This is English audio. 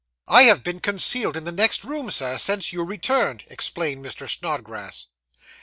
'I have been concealed in the next room, sir, since you returned,' explained Mr. Snodgrass.